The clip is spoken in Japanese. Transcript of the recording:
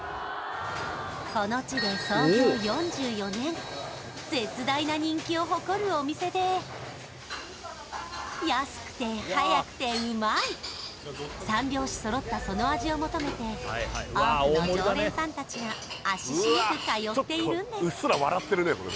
この地で絶大な人気を誇るお店で安くて早くてうまい三拍子そろったその味を求めて多くの常連さん達が足しげく通っているんです